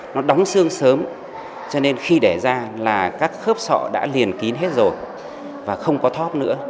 nó đóng xương sớm cho nên khi để ra là các khớp sọ đã liền kín hết rồi và không có thóp nữa